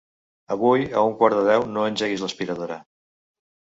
Avui a un quart de deu no engeguis l'aspiradora.